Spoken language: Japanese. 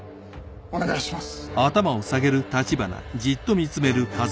お願いします。